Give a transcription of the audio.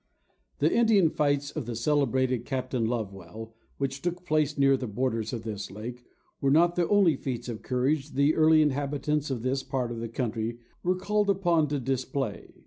The Indian fights of the celebrated Captain Lovewell, which took place near the borders of this lake, were not the only feats of courage the early inhabitants of this part of the country were called upon to display.